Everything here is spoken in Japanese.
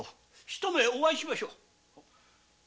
ひと目お会いしましょう。